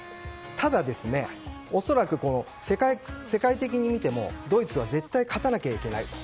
ただ、恐らく世界的に見てもドイツは絶対勝たなきゃいけないと。